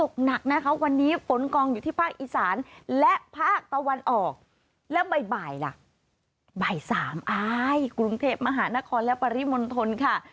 บ่าย๓อายกรุงเทพฯมหานครและปริมณฑลค่ะ